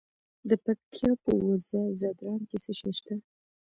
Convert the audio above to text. د پکتیا په وزه ځدراڼ کې څه شی شته؟